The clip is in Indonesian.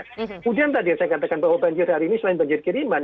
kemudian tadi yang saya katakan bahwa banjir hari ini selain banjir kiriman